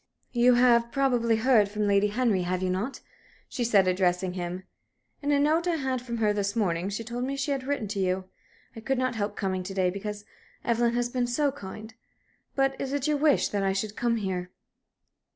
"You have probably heard from Lady Henry, have you not?" she said, addressing him. "In a note I had from her this morning she told me she had written to you. I could not help coming to day, because Evelyn has been so kind. But is it your wish that I should come here?"